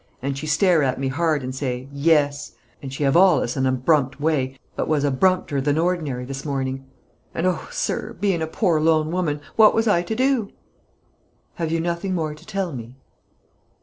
and she stare at me hard, and say, 'Yes;' and she have allus an abrumpt way, but was abrumpter than ordinary this morning. And, oh sir, bein' a poor lone woman, what was I to do?" "Have you nothing more to tell me?"